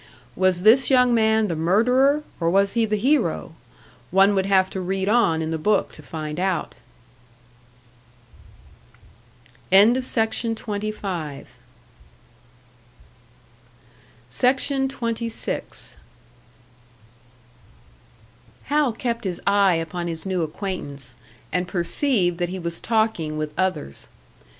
Was this young man the murderer, or was he the hero? One would have to read on in the book to find out! SECTION 26. Hal kept his eye upon his new acquaintance, and perceived that he was talking with others.